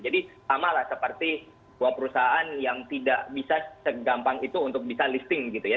jadi sama lah seperti dua perusahaan yang tidak bisa segampang itu untuk bisa listing gitu ya